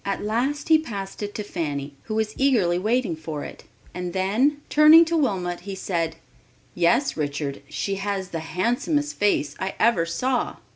At last he passed it to Fanny, who was eagerly waiting for it, and then turning to Wilmot, he said, "Yes, Richard, she has the handsomest face I ever saw."